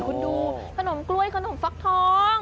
คุณดูขนมกล้วยขนมฟักทอง